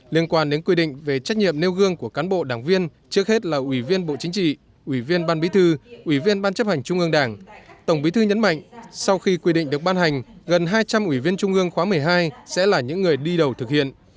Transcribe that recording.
liên quan đến quy định về trách nhiệm nêu gương của cán bộ đảng viên trước hết là ủy viên bộ chính trị ủy viên ban bí thư ủy viên ban chấp hành trung ương đảng tổng bí thư nhấn mạnh sau khi quy định được ban hành gần hai trăm linh ủy viên trung ương khóa một mươi hai sẽ là những người đi đầu thực hiện